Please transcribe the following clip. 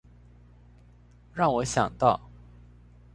讓我想到